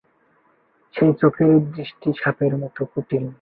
সেই চোখের দৃষ্টি সাপের মতো কুটিল।